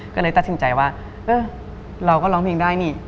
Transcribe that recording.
ก็เลยตัดสินใจว่าเออเราก็ร้องเพลงได้นี่